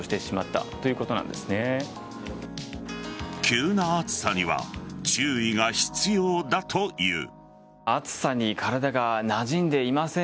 急な暑さには注意が必要だという。